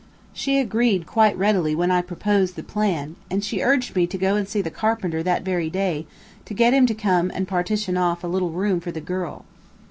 She agreed quite readily when I proposed the plan, and she urged me to go and see the carpenter that very day, and get him to come and partition off a little room for the girl.